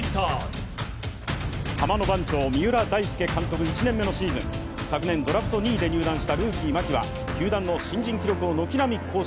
浜の番長、三浦大輔監督、１年目のシーズン、昨年ドラフト２位で入団した牧は球団の新人記録を軒並み更新。